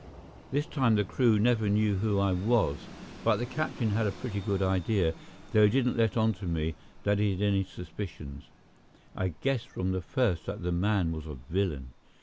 This time the crew never knew who I was, but the captain had a pretty good idea, though he didn't let on to me that he had any suspicions. I guessed from the first that the man was a villain.